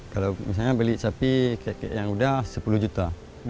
kalau misalnya beli sapi yang udah sepuluh juta